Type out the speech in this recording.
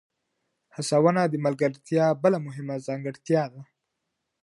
هڅونه د ملګرتیا بله مهمه ځانګړتیا ده.